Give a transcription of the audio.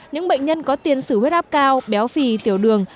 những bệnh nhân có tiền xử huyết áp cao béo phì tiểu đường